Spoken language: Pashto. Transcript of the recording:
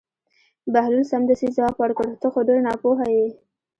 بهلول سمدستي ځواب ورکړ: ته خو ډېر ناپوهه یې.